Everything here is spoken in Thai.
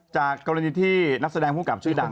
จากกรณีที่นักแสดงภูมิกับชื่อดัง